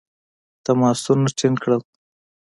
تماسونه ټینګ کړل.